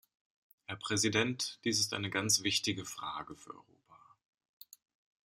Herr Präsident! Dies ist eine ganz wichtige Frage für Europa.